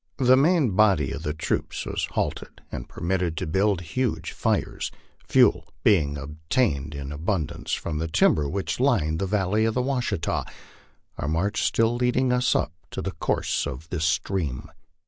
The main body of the troops was halted, and permitted to build huge fires, fuel being obtainable in abundance from the timber which lined the valley of the Washita our march still leading us up the course of this stream